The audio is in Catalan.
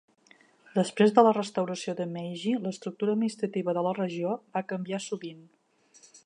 Després de la restauració de Meiji, l'estructura administrativa de la regió va canviar sovint.